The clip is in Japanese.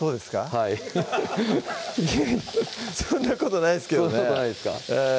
はいそんなことないんすけどねそんなことないですか？